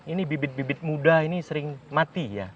ini bibit bibit muda ini sering mati ya